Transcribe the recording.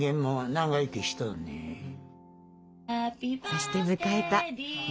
そして迎えた